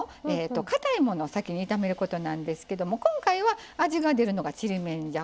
かたいものを先に炒めることなんですけども今回は味が出るのがちりめんじゃこ。